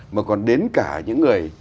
mà còn đến cả những người